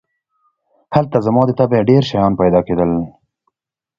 هلته زما د طبعې ډېر شیان پیدا کېدل.